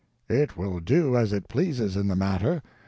It will do as it pleases in the matter.